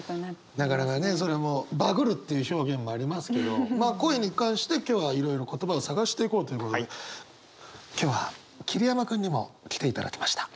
なかなかねそれもバグるっていう表現もありますけどまあ恋に関して今日はいろいろ言葉を探していこうということで今日は桐山君にも来ていただきました。